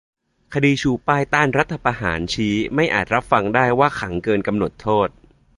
คดีชูป้ายต้านรัฐประหารชี้ไม่อาจรับฟังได้ว่าขังเกินกำหนดโทษ